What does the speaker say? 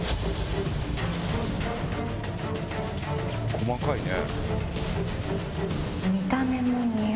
細かいね。